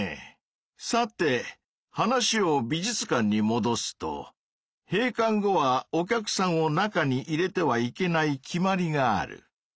さて話を美術館にもどすと閉館後はお客さんを中に入れてはいけない決まりがある。